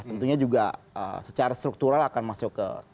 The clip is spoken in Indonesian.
tentunya juga secara struktural akan masuk ke